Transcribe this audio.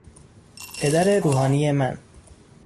پدر روحانی من